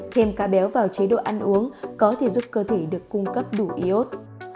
thêm cá béo vào chế độ ăn uống có thể giúp cơ thể được cung cấp đủ iot